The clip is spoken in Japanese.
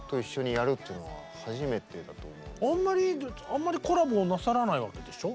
あんまりコラボなさらないわけでしょ？